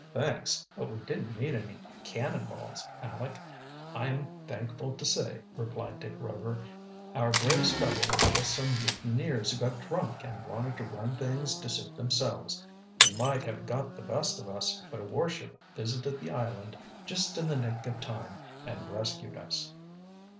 "Thanks, but we didn't meet any 'cannonballs,' Aleck, I am thankful to say," replied Dick Rover. "Our greatest trouble was with some mutineers who got drunk and wanted to run things to suit themselves. They might have got the best of us, but a warship visited the island just in the nick of time and rescued us."